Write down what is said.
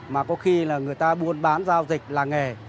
mà có khi là người ta buôn bán giao dịch làng nghề